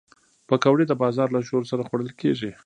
پکورې د بازار له شور سره خوړل کېږي